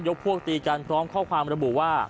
พวกตีกันพร้อมข้อความระบุว่า